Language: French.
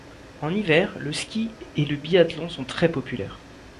En hiver, le ski et le biathlon sont très populaires.